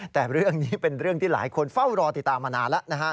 แต่เรื่องนี้เป็นเรื่องที่หลายคนเฝ้ารอติดตามมานานแล้วนะครับ